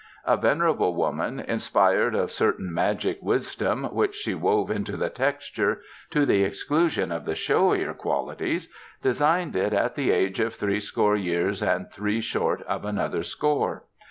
"A venerable woman, inspired of certain magic wisdom, which she wove into the texture, to the exclusion of the showier qualities, designed it at the age of threescore years and three short of another score.